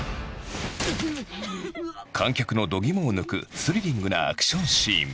観客の度肝を抜くスリリングなアクションシーン。